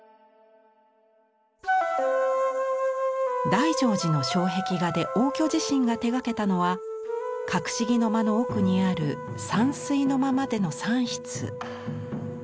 大乗寺の障壁画で応挙自身が手がけたのは「郭子儀の間」の奥にある「山水の間」までの３室。